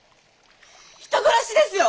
人殺しですよ！？